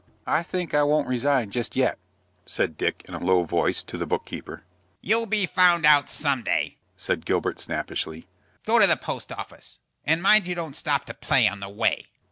"I think I won't resign just yet," said Dick, in a low voice, to the book keeper. "You'll be found out some day," said Gilbert, snappishly. "Go to the post office, and mind you don't stop to play on the way."